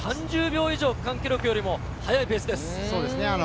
３０秒以上、区間記録よりも速いそうですね。